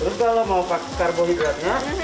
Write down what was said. terus kalau mau pakai karbohidratnya